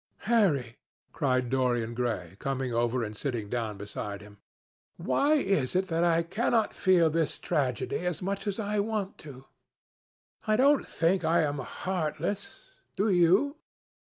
"Harry," cried Dorian Gray, coming over and sitting down beside him, "why is it that I cannot feel this tragedy as much as I want to? I don't think I am heartless. Do you?"